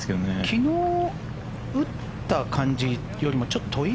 昨日打った感じよりもちょっと遠い？